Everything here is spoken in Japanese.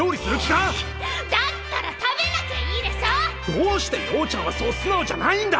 どうしてようちゃんはそうすなおじゃないんだ！